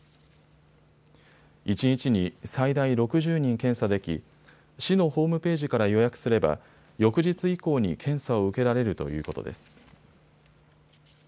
一日に最大６０人、検査でき市のホームページから予約すれば翌日以降に検査を受けられるということです。